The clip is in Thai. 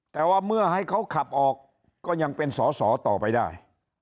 แต่ว่าเมื่อให้เขาขับออกก็ยังเป็นสอสอต่อไปได้